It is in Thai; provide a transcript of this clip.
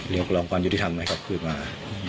เรียกร้องความยุติธรรมให้กลับคืนมา